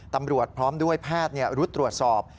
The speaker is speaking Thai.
ตำรวจพร้อมด้วยแพทย์รุดตรวจสอบ